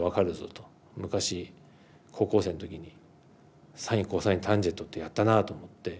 昔高校生の時にサインコサインタンジェントってやったなぁと思って。